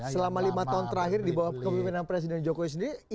selama lima tahun terakhir di bawah kemimpinan presiden jokowi sendiri